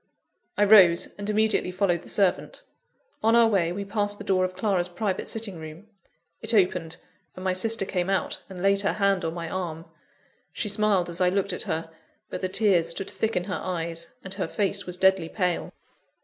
I rose, and immediately followed the servant. On our way, we passed the door of Clara's private sitting room it opened, and my sister came out and laid her hand on my arm. She smiled as I looked at her; but the tears stood thick in her eyes, and her face was deadly pale.